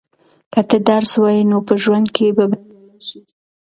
که ته درس ووایې نو په ژوند کې به بریالی شې.